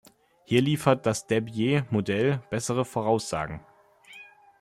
Hier liefert das Debye-Modell bessere Voraussagen.